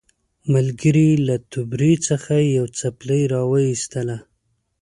ملګري یې له توبرې څخه یوه څپلۍ راوایستله.